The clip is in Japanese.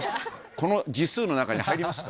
この字数の中に入りますか？